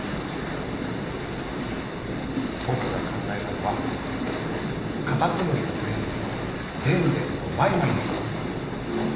僕が考えたのはかたつむりのフレンズでんでんとマイマイです。